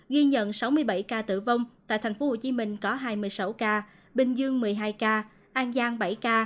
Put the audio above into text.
ghi nhận sáu mươi bảy ca tử vong tại tp hcm có hai mươi sáu ca bình dương một mươi hai ca an giang bảy ca